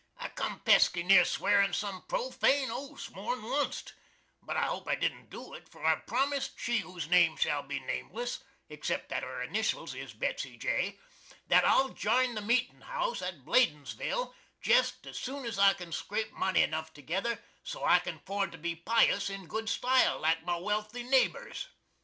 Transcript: I come pesky near swearin sum profane oaths more'n onct, but I hope I didn't do it, for I've promist she whose name shall be nameless (except that her initials is Betsy J.) that I'll jine the Meetin House at Baldinsville, jest as soon as I can scrape money enuff together so I can 'ford to be piuss in good stile, like my welthy nabers.